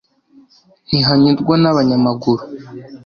Ntihanyurwa n'abanyamaguru